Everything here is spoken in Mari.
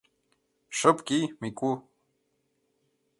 — Шып кий, Мику.